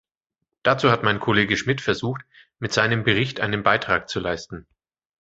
Dazu hat mein Kollege Schmid versucht, mit seinem Bericht einen Beitrag zu leisten.